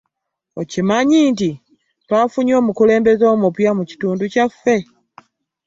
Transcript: Okimanyi nti twafunye omukulembeze omupya mu kitundu kyaffe.